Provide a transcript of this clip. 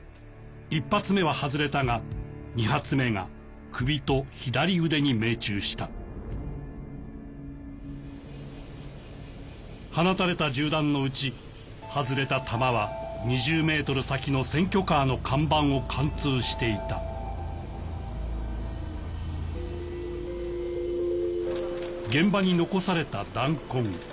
１発目は外れたが２発目が首と左腕に命中した放たれた銃弾のうち外れた弾は２０ｍ先の選挙カーの看板を貫通していた現場に残された弾痕